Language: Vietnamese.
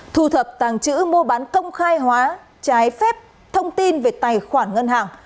thu thập tàng chữ mô bán công khai hóa trái phép thông tin về tài khoản ngân hàng